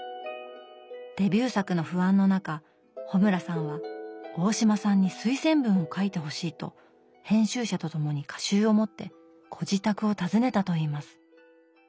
デビュー作の不安の中穂村さんは大島さんに推薦文を書いてほしいと編集者と共に歌集を持ってご自宅を訪ねたといいます。